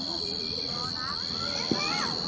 โปรดติดตามตอนต่อไป